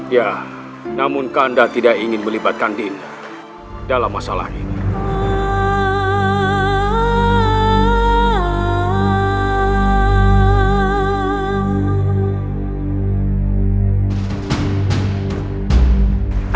ya namun kak kandas tidak ingin melibatkan dinda dalam masalah ini